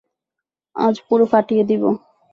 আজ পুরো ফাটিয়ে দিবো।